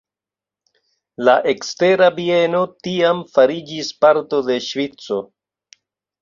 La Ekstera Bieno tiam fariĝis parto de Ŝvico.